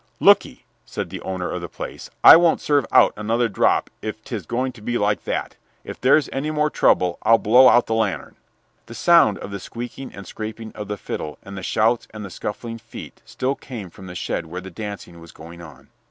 "Lookee," said the owner of the place, "I won't serve out another drop if 'tis going to be like that. If there's any more trouble I'll blow out the lantern." The sound of the squeaking and scraping of the fiddle and the shouts and the scuffling feet still came from the shed where the dancing was going on.